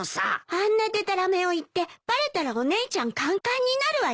あんなでたらめを言ってバレたらお姉ちゃんカンカンになるわよ。